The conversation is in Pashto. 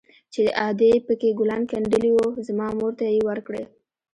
چې ادې پكښې ګلان ګنډلي وو زما مور ته يې وركړي.